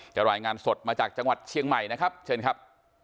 รายงานสดมาจากจังหวัดเชียงใหม่นะครับเชิญครับ